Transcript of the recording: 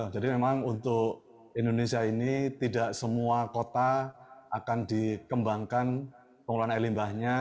jadi memang untuk indonesia ini tidak semua kota akan dikembangkan pengelolaan air limbahnya